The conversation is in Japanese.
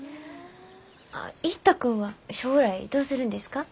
一太君は将来どうするんですか？